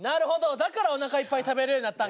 だからおなかいっぱい食べれるようなったんか。